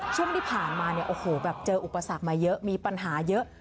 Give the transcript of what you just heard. ช่วงที่ผ่านมาเนี่ยโอ้โหแบบเจออุปสรรคมาเยอะมีปัญหาเยอะ